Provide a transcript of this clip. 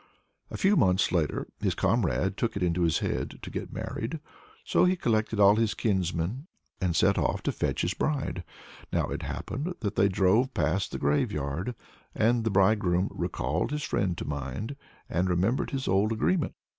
A few months later his comrade took it into his head to get married. So he collected all his kinsmen, and set off to fetch his bride. Now it happened that they drove past the graveyard, and the bridegroom recalled his friend to mind, and remembered his old agreement.